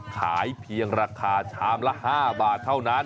ขายเพียงราคาชามละ๕บาทเท่านั้น